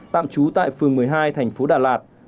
tạm trú tại phường một mươi hai thành phố đà lạt